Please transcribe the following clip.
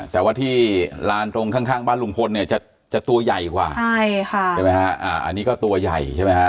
แต่ว่าที่ลานตรงข้างบ้านลุงพลเนี่ยจะตัวใหญ่กว่าใช่ค่ะใช่ไหมฮะอันนี้ก็ตัวใหญ่ใช่ไหมฮะ